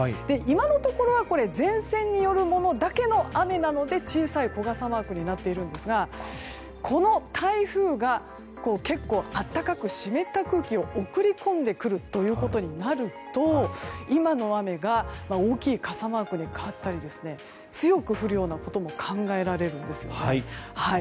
今のところは前線によるものだけの雨なので小さい小傘マークになっていますがこの台風が結構、暖かく湿った空気を送り込んでくるということになると今の雨が大きい傘マークに変わったり強く降るようなことも考えられるんですね。